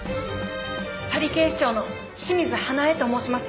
パリ警視庁の清水花絵と申します。